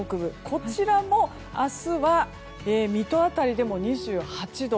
こちらも明日は水戸辺りでも２８度。